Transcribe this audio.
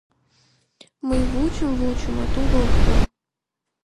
— Мый вучем-вучем, а тудо ок тол.